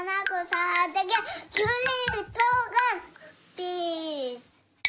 ピース！